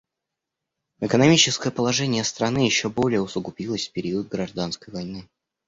Экономическое положение страны еще более усугубилось в период гражданской войны.